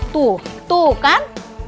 tuh tuh kan